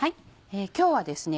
今日はですね